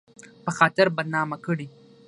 په خاطر بدنامه کړي